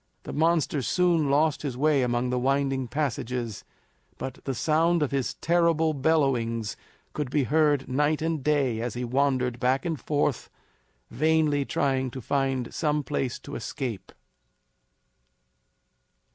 The monster soon lost his way among the winding passages, but the sound of his terrible bellowings could be heard day and night as he wandered back and forth vainly trying to find some place to escape.